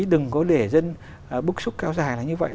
đừng có để dân bức xúc cao dài là như vậy